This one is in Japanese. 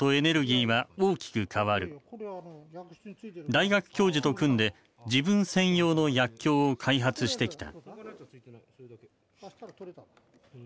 大学教授と組んで自分専用の薬莢を開発してきた。